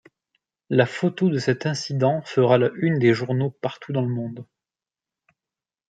La photo de cet incident fera la une des journaux partout dans le monde.